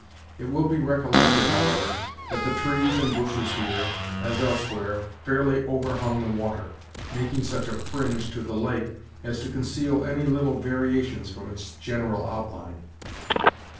It will be recollected, however, that the trees and bushes here, as elsewhere, fairly overhung the water, making such a fringe to the lake, as to conceal any little variations from its general outline.